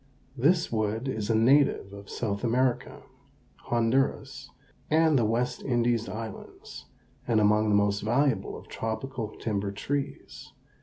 This wood is a native of South America, Honduras, and the West Indies Islands, and among the most valuable of tropical timber trees.